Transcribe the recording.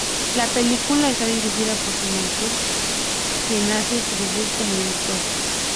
La película está dirigida por Simon Curtis, quien hace su debut como director.